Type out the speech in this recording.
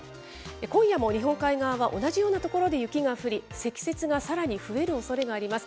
今夜も日本海側は、同じような所で雪が降り、積雪がさらに増えるおそれがあります。